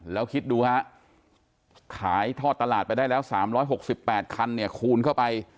แล้วคิดดูฮะขายทอดตลาดไปได้แล้ว๓๖๘คันเนี่ยคูณเข้าไป